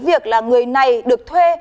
việc là người này được thuê